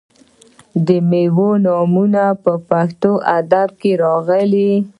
د میوو نومونه په پښتو ادب کې راغلي.